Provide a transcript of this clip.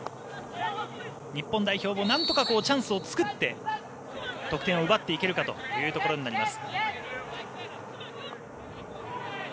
日本代表もなんとかチャンスを作って得点を奪っていけるかというところになります。